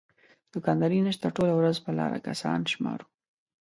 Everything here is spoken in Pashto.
دوکانداري نشته ټوله ورځ په لاره کسان شمارو.